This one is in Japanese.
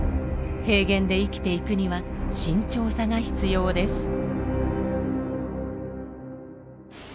平原で生きていくには慎重さが必要です。